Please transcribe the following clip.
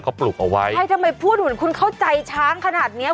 เขาปลูกเอาไว้ใช่ทำไมพูดเหมือนคุณเข้าใจช้างขนาดเนี้ย